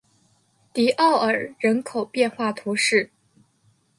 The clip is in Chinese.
迪奥尔人口变化图示